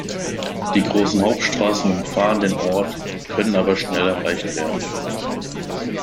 Die großen Hauptstraßen umfahren den Ort, können aber schnell erreicht werden.